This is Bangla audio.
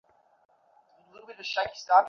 তাকে কোয়ালিস্ট তৈরির বিদ্যা শিখিয়ে দেয়া হবে।